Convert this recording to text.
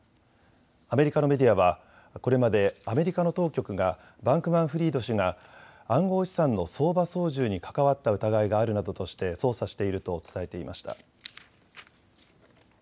アメリカのメディアはこれまでアメリカの当局がバンクマンフリード氏が暗号資産の相場操縦に関わった疑いがあるなどとして捜査していると伝えていました。